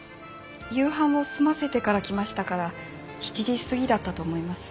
夕飯を済ませてから来ましたから７時過ぎだったと思います。